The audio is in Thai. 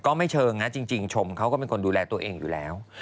ไม่เชิงนะจริงชมเขาก็เป็นคนดูแลตัวเองอยู่แล้ว